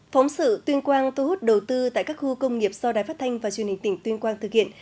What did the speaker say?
phóng sự tuyên quang thu hút đầu tư tại các khu công nghiệp do đài phát thanh và truyền hình tỉnh tuyên quang thực hiện